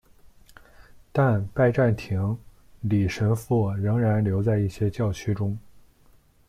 但拜占庭礼神父仍然留在一些教区中。